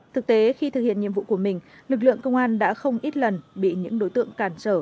thực tế khi thực hiện nhiệm vụ của mình lực lượng công an đã không ít lần bị những đối tượng cản trở